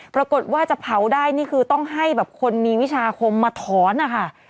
ปรากฏว่าจะเผาได้นี่คือต้องให้แบบคนมีวิชาคมมาถอนนะคะ